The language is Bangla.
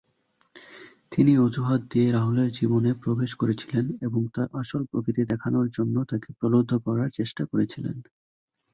তিনি অজুহাত দিয়ে রাহুলের জীবনে প্রবেশ করেছিলেন এবং তাঁর আসল প্রকৃতি দেখানোর জন্য তাকে প্রলুব্ধ করার চেষ্টা করেছিলেন।